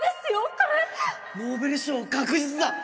これノーベル賞確実だ！